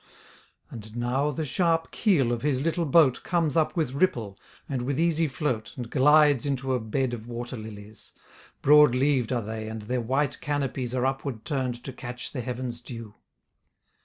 And now the sharp keel of his little boat Comes up with ripple, and with easy float, And glides into a bed of water lillies: Broad leav'd are they and their white canopies Are upward turn'd to catch the heavens' dew.